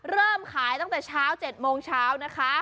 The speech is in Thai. เริ่มขายตั้งแต่เช้า๗โมงเช้านะคะ